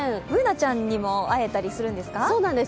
Ｂｏｏｎａちゃんにも会えたりするんですか？